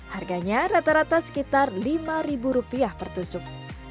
harganya rata rata sekitar rp lima per tusuk